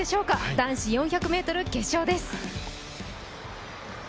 男子４００ｍ決勝です。